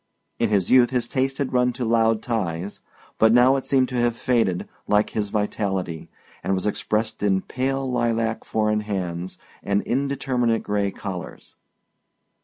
In his youth his taste had run to loud ties, but now it seemed to have faded, like his vitality, and was expressed in pale lilac four in hands and indeterminate gray collars.